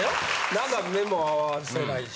なんか目も合わせないし。